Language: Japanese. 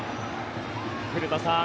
古田さん